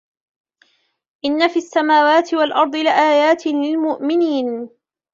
إِنَّ فِي السَّمَاوَاتِ وَالْأَرْضِ لَآيَاتٍ لِلْمُؤْمِنِينَ